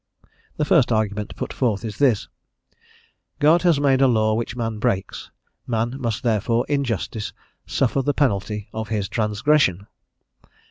The first argument put forth is this: "God has made a law which man breaks; man must therefore in justice suffer the penalty of his transgression."